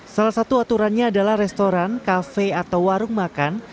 salah satu aturannya adalah restoran kafe atau warung makan